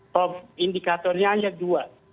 kalau indikatornya hanya dua